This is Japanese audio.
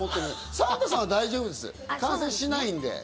サンタさんは大丈夫です、感染しないんで。